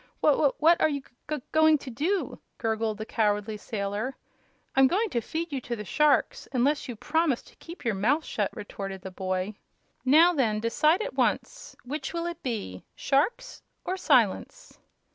"Wh wh what are you g g going to do?" gurgled the cowardly sailor. "I'm going to feed you to the sharks unless you promise to keep your mouth shut," retorted the boy. "Now, then; decide at once! Which will it be sharks or silence?"